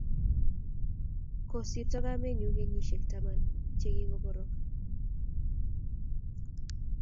Kosirto kamennyu kenyisyek taman che kikoborok.